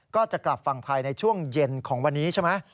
ก็จะกลับฝั่งไทยในช่วงเย็นของวันนี้ใช่ไหม